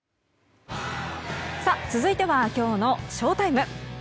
続いてはきょうのＳＨＯＴＩＭＥ。